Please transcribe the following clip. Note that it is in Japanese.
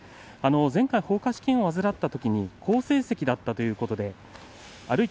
前回、ほうか織炎を患ったとき好成績だったということです。